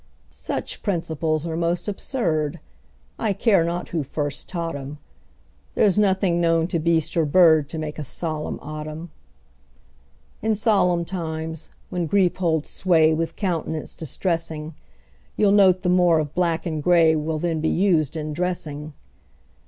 Such principles are most absurd, I care not who first taught 'em; There's nothing known to beast or bird To make a solemn autumn. In solemn times, when grief holds sway With countenance distressing, You'll note the more of black and gray Will then be used in dressing.